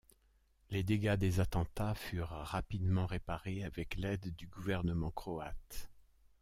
Les dégâts des attentats furent rapidement réparés avec l’aide du gouvernement croate.